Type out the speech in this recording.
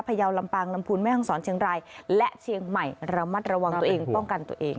ยาวลำปางลำพูนแม่ห้องศรเชียงรายและเชียงใหม่ระมัดระวังตัวเองป้องกันตัวเอง